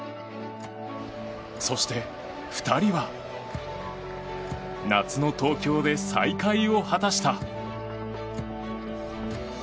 そして２人は夏の東京で再会を果たした。